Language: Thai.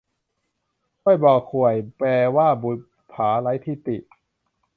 ฮวยบ่อข่วย แปลว่าบุปผาไร้ที่ติ